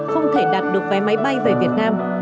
không thể đặt được vé máy bay về việt nam